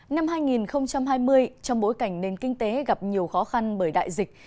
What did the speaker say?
năm hai nghìn hai mươi trong bối cảnh nền kinh tế gặp nhiều khó khăn bởi đại dịch